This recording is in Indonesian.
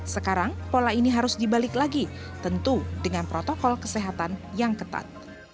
sekarang pola ini harus dibalik lagi tentu dengan protokol kesehatan yang ketat